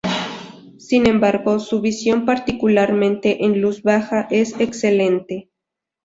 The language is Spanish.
Sin embargo, su visión, particularmente en luz baja, es excelente.